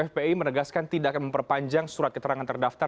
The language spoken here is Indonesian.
fpi menegaskan tidak akan memperpanjang surat keterangan terdaftar